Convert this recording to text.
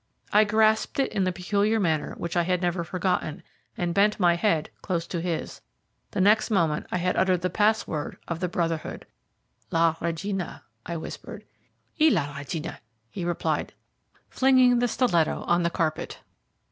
I grasped it in the peculiar manner which I had never forgotten, and bent my head close to his. The next moment I had uttered the pass word of the Brotherhood. "La Regina," I whispered. "E la regina," he replied, flinging the stiletto on the carpet.